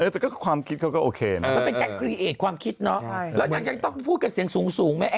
แต่ความคิดเขาก็โอเคนะอืมเป็นแจกเกรียดความคิดเนอะแล้วยังต้องพูดกับเสียงสูงมั้ย